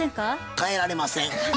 変えられません。